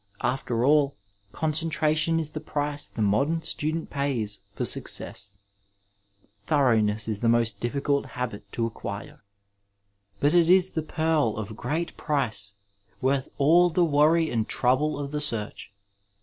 After all, concentration is the price the modem student pays for success. Thoroughness is the most difficult habit to acquire, but it is the pearl of great price, worth all the worry and trouble of the search.